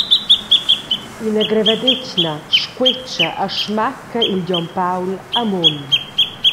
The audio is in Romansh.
Ina grevadetgna squetscha e smacca il Gion Paul a mun.